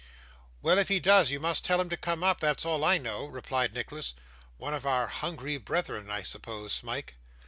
'Well, if he does, you must tell him to come up; that's all I know,' replied Nicholas. 'One of our hungry brethren, I suppose, Smike.